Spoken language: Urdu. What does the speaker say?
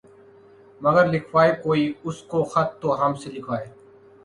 مگر لکھوائے کوئی اس کو خط تو ہم سے لکھوائے